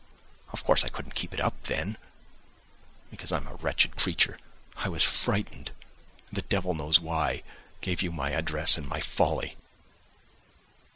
Of course, I couldn't keep it up then, because I am a wretched creature, I was frightened, and, the devil knows why, gave you my address in my folly.